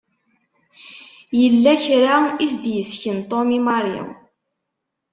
Yella kra i s-d-isken Tom i Mary.